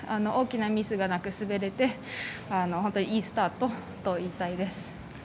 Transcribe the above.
大きなミスがなく滑れて本当にいいスタートと言いたいです。